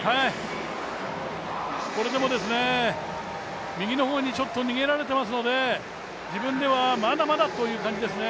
これでも右の方に逃げられていますので、自分ではまだまだという感じですね。